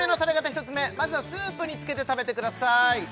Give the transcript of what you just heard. １つ目まずはスープにつけて食べてください